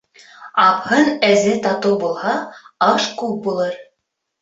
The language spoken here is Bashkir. Апһын-әзе татыу булһа, аш күп булыр.